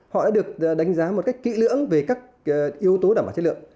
họ đã được đánh giá một cách kỹ lưỡng về các yếu tố đảm bảo chất lượng